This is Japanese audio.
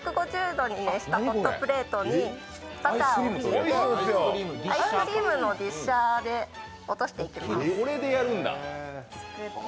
１５０度に熱したホットプレートにバターをアイスクリームのディッシャーで落としていきます。